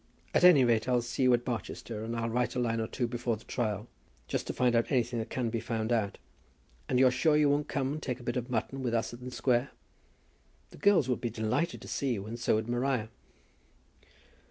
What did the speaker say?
At any rate I'll see you at Barchester, and I'll write a line or two before the trial, just to find out anything that can be found out. And you're sure you won't come and take a bit of mutton with us in the Square? The girls would be delighted to see you, and so would Maria."